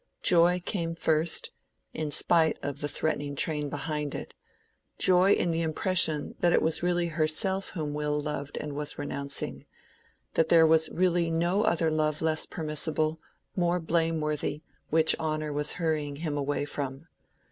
Joy came first, in spite of the threatening train behind it—joy in the impression that it was really herself whom Will loved and was renouncing, that there was really no other love less permissible, more blameworthy, which honor was hurrying him away from.